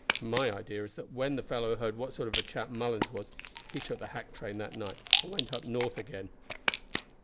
My idea is that when the fellow heard what sort of a chap Mullens was, he took the hack train that night and went up north again."